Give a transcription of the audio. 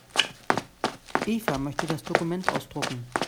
Eva möchte das Dokument ausdrucken.